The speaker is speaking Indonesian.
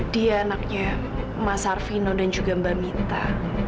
dia anaknya mas arvino dan juga mbak mita